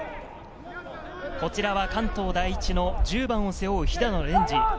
こちらは関東第一の１０番を背負う肥田野蓮治。